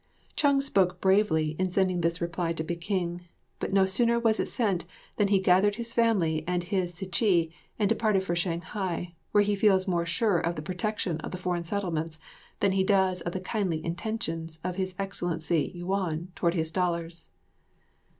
Chung spoke bravely in sending this reply to Peking; but no sooner was it sent than he gathered his family and his sycee and departed for Shanghai, where he feels more sure of the protection of the foreign settlements than he does of the kindly intentions of His Excellency Yuan toward his dollars.